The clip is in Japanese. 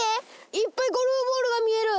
いっぱいゴルフボールが見える。